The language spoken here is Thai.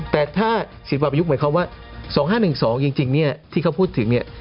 แต่ถ้า๑๐กว่าประยุกต์หมายความว่า๒๕๑๒จริงเนี่ยที่เขาพูดถึงเนี่ย